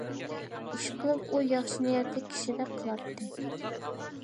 ئىشقىلىپ ئۇ ياخشى نىيەتلىك كىشىدەك قىلاتتى.